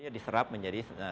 diserap menjadi seni pertunjukan